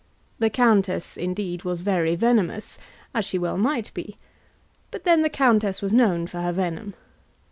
The countess, indeed, was very venomous, as she well might be; but then the countess was known for her venom.